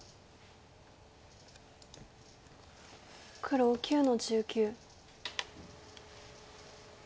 黒９の十九。